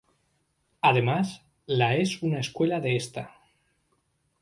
Además, la es una secuela de esta.